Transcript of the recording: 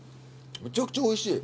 めちゃくちゃおいしいよ。